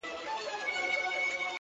هېڅ نه سمېږي لېونۍ تسلي مه راکوه